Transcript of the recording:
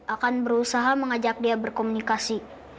akan berusaha mengajak dia berkomunikasi